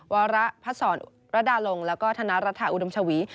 วาระพัทธ์ศรระดาลงและธนารัฐอุดมชาวี